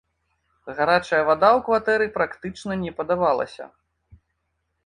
Гарачая вада ў кватэры практычна не падавалася.